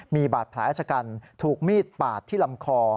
มีบาดแผลชะกันถูกมีดปาดที่ลำคอ